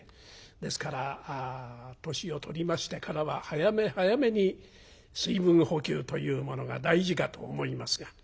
ですから年を取りましてからは早め早めに水分補給というものが大事かと思いますが。